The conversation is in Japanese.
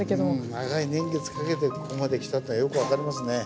長い年月かけてここまできたってよく分かりますね。